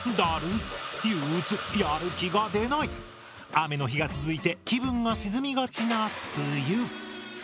雨の日が続いて気分が沈みがちな梅雨。